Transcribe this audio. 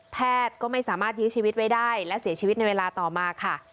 แพทย์ก็ไม่สามารถยื้อชีวิตไว้ได้และเสียชีวิตในเวลาต่อมาค่ะ